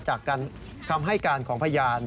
จากคำให้การของพยาน